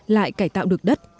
lại cải tạo được đất